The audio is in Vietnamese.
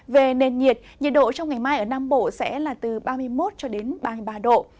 về nền nhiệt nhiệt độ trong ngày mai ở nam bộ sẽ là từ ba mươi một ba mươi ba độ